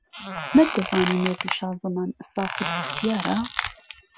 نەت دهزانی مێردی شازهمان ساحێب ئیختياره